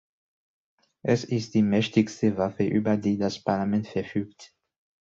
Es ist die mächtigste Waffe, über die das Parlament verfügt.